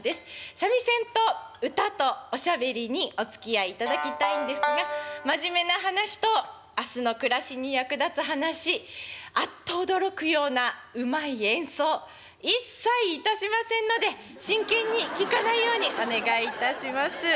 三味線と唄とおしゃべりにおつきあいいただきたいんですが真面目な話と明日の暮らしに役立つ話あっと驚くようなうまい演奏一切致しませんので真剣に聴かないようにお願いいたします。